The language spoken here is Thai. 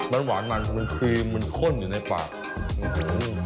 มันหวานมันมันครีมมันข้นอยู่ในปากโอ้โห